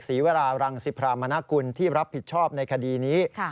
ศรีวรารังสิพรามณกุลที่รับผิดชอบในคดีนี้